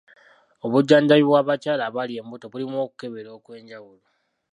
Obujjanjabi bw'abakyala abali embuto bulimu okukebera okw'enjawulo.